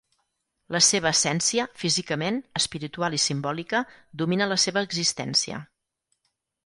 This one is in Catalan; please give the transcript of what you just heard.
La seva essència, físicament, espiritual i simbòlica, domina la seva existència.